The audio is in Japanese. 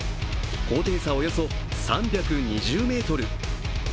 高低差およそ３２０ｍ。